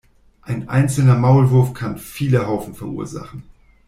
Ein einzelner Maulwurf kann viele Haufen verursachen.